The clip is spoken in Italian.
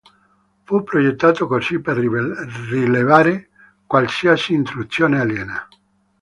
Fu progettato così per rilevare qualsiasi intrusione aliena.